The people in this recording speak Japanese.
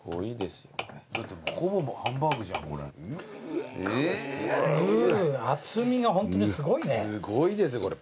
すごいですねこれ。